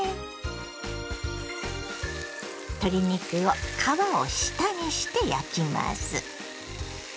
鶏肉を皮を下にして焼きます。